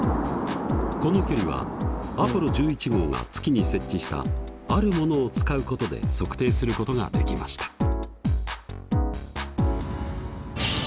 この距離はアポロ１１号が月に設置した「あるもの」を使うことで測定することができました。